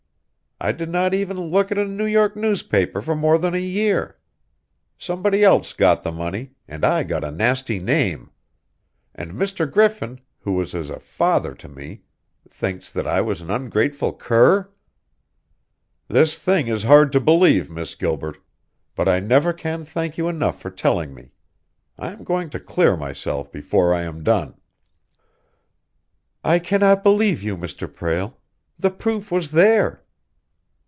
I did not even look at a New York newspaper for more than a year. Somebody else got the money, and I got a nasty name. And Mr. Griffin, who was as a father to me, thinks that I was an ungrateful cur! "This thing is hard to believe, Miss Gilbert. But I never can thank you enough for telling me. I am going to clear myself before I am done." "I cannot believe you, Mr. Prale! The proof was there!"